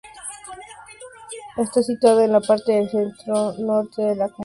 Está situada en la parte centro-norte de la comarca de la Vega de Granada.